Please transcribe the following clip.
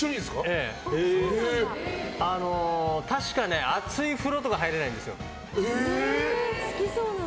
ええ、確か熱い風呂とか入れないんですよ。